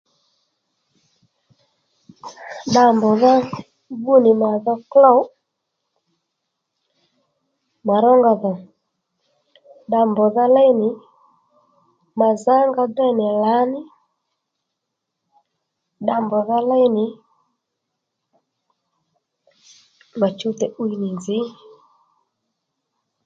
Dda mbrùdha bbú nì mà dho klôw mà rónga dhò dda mbrùdha léy nì mà zǎnga déy nì lǎní dda mbrùdha léy nì mà chuwtèy 'wiy nì nzǐ